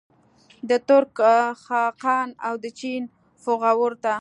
د ترک خاقان او د چین فغفور ته.